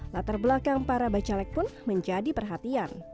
latar belakang para bacalek pun menjadi perhatian